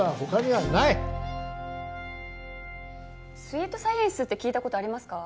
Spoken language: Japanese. スウィートサイエンスって聞いた事ありますか？